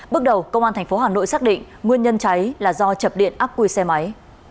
bước đầu công an tp hà nội xác định nguyên nhân cháy là do chập điện áp quy xe máy